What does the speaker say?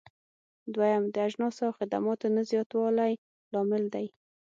دويم: د اجناسو او خدماتو نه زیاتوالی لامل دی.